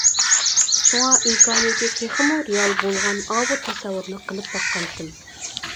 شۇڭا ئىمكانىيىتى تېخىمۇ رېئال بولغان ئاۋۇ تەسەۋۋۇرنى قىلىپ باققانتىم.